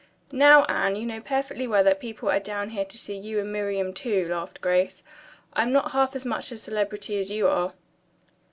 "Now, Anne, you know perfectly well that people are down here to see you and Miriam, too," laughed Grace. "I'm not half as much of a celebrity as you are."